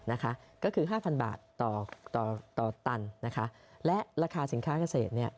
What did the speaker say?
นะคะก็คือห้าพันบาทต่อต่อต่อตันนะคะและราคาสินค้าเกษตรเนี่ย